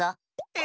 え？